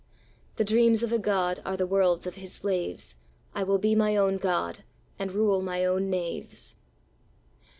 The dreams of a god Are the worlds of his slaves: I will be my own god, And rule my own knaves!